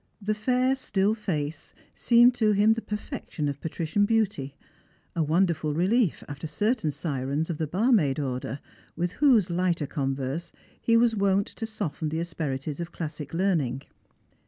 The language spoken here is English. The fair still face seemed to him the perfection of patrician beauty — a wonderful rehef after certain sirens of the barmaid order with whose lighter eon verse he was wont to soften the asperities of classic learning.